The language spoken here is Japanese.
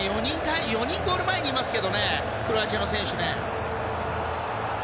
４人ゴール前にいますけどねクロアチアの選手。